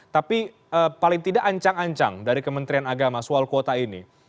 tapi paling tidak ancang ancang dari kementerian agama soal kuota ini